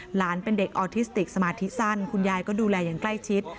หลานเป็นเด็กออทิสติกสมาธิสั้นคุณยายก็ดูแลอย่างใกล้ชิด